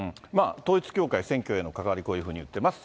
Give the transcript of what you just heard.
統一教会、選挙への関わり、こういうふうに言ってます。